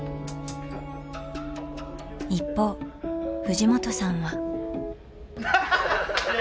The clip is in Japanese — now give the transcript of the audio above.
一方藤本さんは。